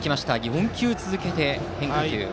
４球続けて変化球。